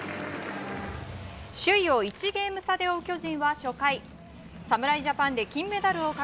首位を１ゲーム差で追う巨人。